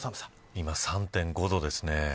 今、３．５度ですね。